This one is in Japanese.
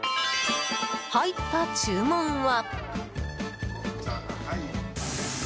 入った注文は。